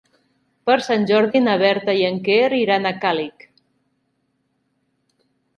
Per Sant Jordi na Berta i en Quer iran a Càlig.